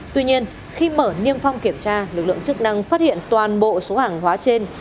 tuy nhiên khi mở niêm phong kiểm tra lực lượng chức năng phát hiện toàn bộ số hàng hóa trên